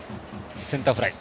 センターフライ。